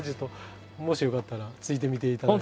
もしよかったらついてみていただいて。